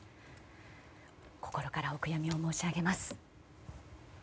心からお悔やみを申し上げます。